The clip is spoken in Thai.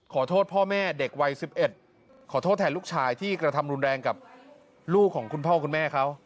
ขอโทษพ่อแม่เด็กวัย๑๑ขอโทษแทนลูกชายที่กระทำรุนแรงกับลูกของคุณพ่อคุณแม่เขา